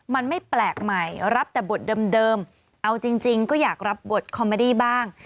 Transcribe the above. มันไม่แปลกใหม่รับแต่บทเดิมเอาจริงก็อยากรับบทคอมเมอดี้บ้าง